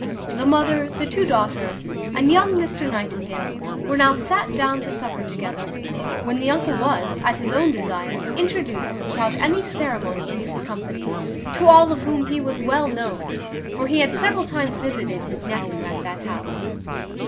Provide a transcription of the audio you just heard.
The mother, the two daughters, and young Mr Nightingale, were now sat down to supper together, when the uncle was, at his own desire, introduced without any ceremony into the company, to all of whom he was well known; for he had several times visited his nephew at that house.